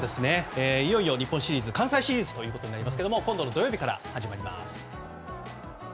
いよいよ日本シリーズ関西シリーズとなりますけれども今度の土曜日から始まります。